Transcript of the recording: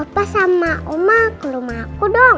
pas sama oma ke rumah aku dong